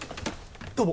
どうも。